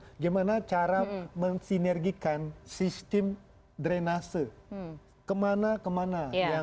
bagaimana cara mensinergikan sistem drenase kemana kemana